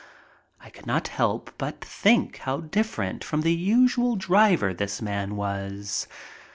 I could not help but think how different from the usual driver this man was.